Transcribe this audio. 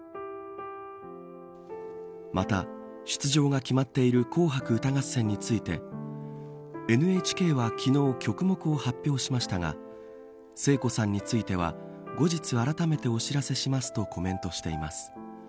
また、出場が決まっている紅白歌合戦についてＮＨＫは昨日曲目を発表しましたが聖子さんについては後日あらためてお知らせしますとコメントしています。